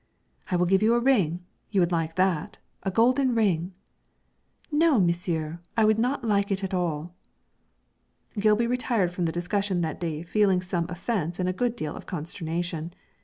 'I will give you a ring; you would like that a golden ring.' 'No, monsieur; I would not like it at all.' Gilby retired from the discussion that day feeling some offence and a good deal of consternation.